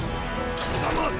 貴様！